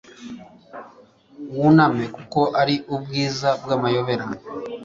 Wuname kuko ari ubwiza bwamayobera